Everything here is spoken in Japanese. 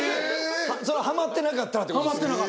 それはハマってなかったらって事ですか？